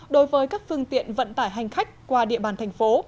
đối với các phương tiện vận tải hành khách qua địa bàn thành phố